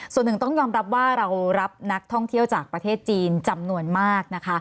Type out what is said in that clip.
ส่วนหนึ่งต้องยอมรับว่าเรารับนักท่องเที่ยวจากประเทศจีนจำนวนมากนะคะ